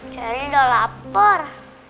cari udah lapar